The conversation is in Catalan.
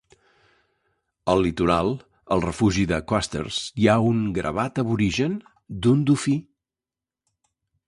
Al litoral, al refugi de Coasters, hi ha un gravat aborigen d'un dofí.